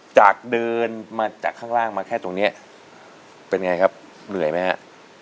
จากเดินมาจากข้างล่างมาแค่ตรงนี้เป็นไงครับเหนื่อยไหมฮะ